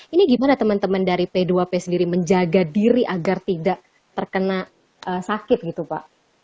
ini gimana teman teman dari p dua p sendiri menjaga diri agar tidak terkena sakit gitu pak